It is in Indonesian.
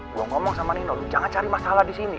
gue ngomong sama nino lu jangan cari masalah disini